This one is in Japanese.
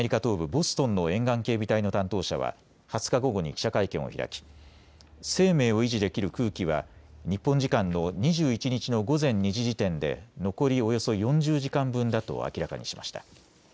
ボストンの沿岸警備隊の担当者は２０日午後に記者会見を開き、生命を維持できる空気は日本時間の２１日の午前２時時点で残りおよそ４０時間分だと明らかにしました。